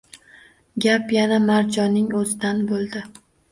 Gap yana Marjonning o‘zidan bo‘ldi